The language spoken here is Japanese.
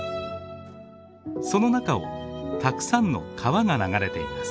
その中をたくさんの川が流れています。